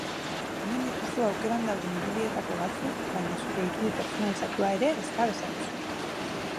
Hemen dituzu aukeran dauden irudietako batzuk baina zure irudi pertsonalizatua ere eska dezakezu!